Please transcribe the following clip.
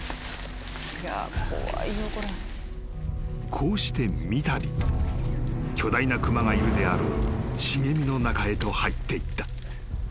［こうしてみたび巨大な熊がいるであろう茂みの中へと入っていった］